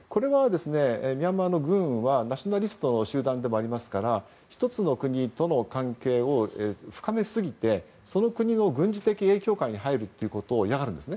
ミャンマーの軍はナショナリストの集団でもありますから１つの国との関係を深めすぎてその国の軍事的影響下に入るということを嫌がるんですね。